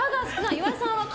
岩井さんは可。